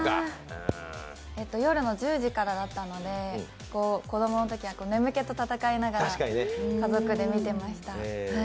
夜の１０時からだったので、子供のときは眠気と戦いながら家族で見てました。